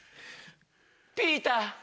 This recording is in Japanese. ピーター。